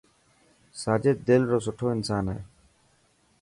ساجد دل رو سٺو انسان هي.